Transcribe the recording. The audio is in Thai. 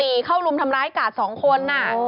ก็ปีเข้ารุมทำร้ายกาดสองคนน่ะ